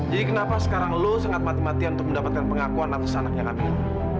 jadi kenapa sekarang lo sangat mati matian untuk mendapatkan pengakuan atas anaknya kamila